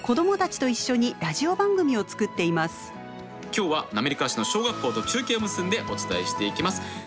今日は滑川市の小学校と中継を結んでお伝えしていきます。